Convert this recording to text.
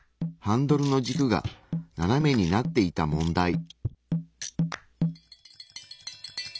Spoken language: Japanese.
ハンドルの軸が斜めになっていた問題。